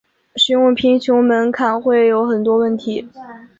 使用贫穷门槛会有很多问题。